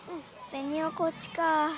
ベニオこっちか。